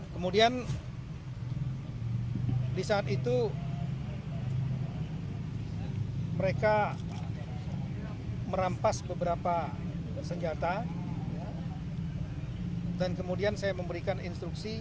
kemudian di saat itu mereka merampas beberapa senjata dan kemudian saya memberikan instruksi